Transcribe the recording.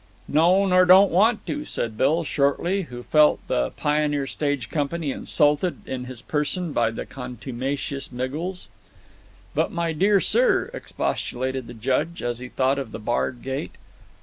"No, nor, don't want to," said Bill, shortly, who felt the Pioneer Stage Company insulted in his person by the contumacious Miggles. "But, my dear sir," expostulated the Judge as he thought of the barred gate.